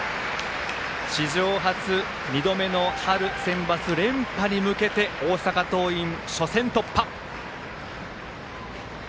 史上初、２度目の春センバツ連覇へ向けて大阪桐蔭、初戦突破！